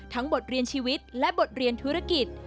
บทเรียนชีวิตและบทเรียนธุรกิจ